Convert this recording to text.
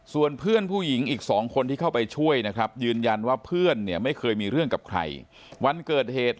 ส่วนเพื่อนผู้หญิงอีก๒คนที่เข้าไปช่วยนะครับยืนยันว่าเพื่อนเนี่ยไม่เคยมีเรื่องกับใครวันเกิดเหตุ